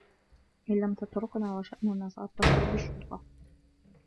إن لم تتركنا و شأننا، ساتّصل بالشّرطة.